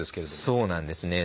そうなんですね。